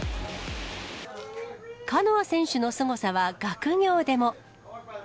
カノア選手のすごさは学業でも。